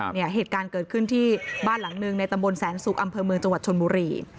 เหตุการณ์เกิดขึ้นที่บ้านหลังหนึ่งในตำบลแสนสุกอำเภอเมืองจังหวัดชนบุรี